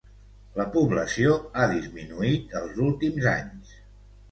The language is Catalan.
La població ha disminuït els últims anys.